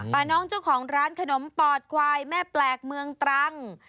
น้องเจ้าของร้านขนมปอดควายแม่แปลกเมืองตรัง